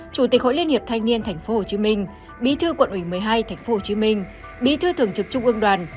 chủ tịch hội liên hiệp thanh niên tp hcm bí thư quận ủy một mươi hai tp hcm bí thư thường trực trung ương đoàn